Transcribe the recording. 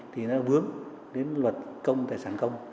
thì nó bướm đến luật công tài sản công